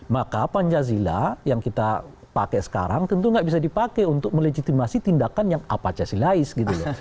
maka pancasila yang kita pakai sekarang tentu nggak bisa dipakai untuk melejitimasi tindakan yang apacasilais gitu ya